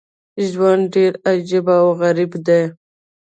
ژوند ډېر عجیب او غریب دی.